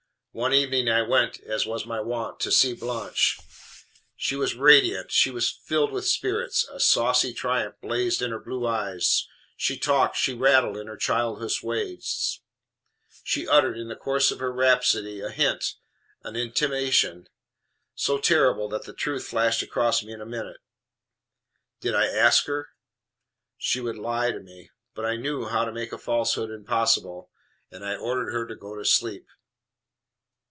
"One evening I went, as was my wont, to see Blanche. She was radiant: she was wild with spirits: a saucy triumph blazed in her blue eyes. She talked, she rattled in her childish way. She uttered, in the course of her rhapsody, a hint an intimation so terrible that the truth flashed across me in a moment. Did I ask her? She would lie to me. But I knew how to make falsehood impossible. And I ordered her to go to sleep."